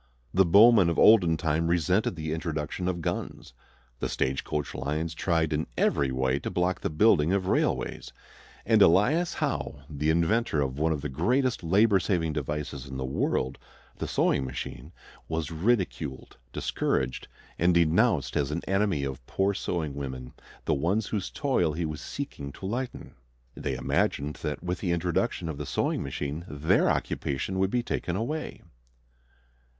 The bowmen of olden time resented the introduction of guns; the stage coach lines tried in every way to block the building of railways; and Elias Howe, the inventor of one of the greatest labor saving devices in the world, the sewing machine, was ridiculed, discouraged, and denounced as an enemy of poor sewing women, the ones whose toil he was seeking to lighten. They imagined that with the introduction of the sewing machine their occupation would be taken away.